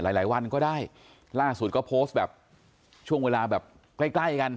หลายหลายวันก็ได้ล่าสุดก็โพสต์แบบช่วงเวลาแบบใกล้ใกล้กัน